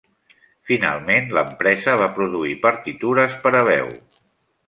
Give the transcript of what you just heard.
Finalment, l'empresa va produir partitures per a veu.